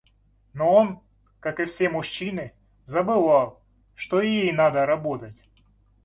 Но он, как и все мужчины, забывал, что и ей надо работать.